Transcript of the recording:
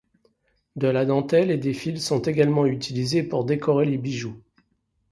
De la dentelle ou des fils sont également utilisées pour décorer les bijoux.